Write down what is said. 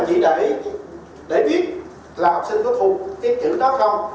chỉ để viết là học sinh có thuộc cái chữ đó không